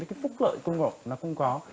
cái phúc lợi cũng có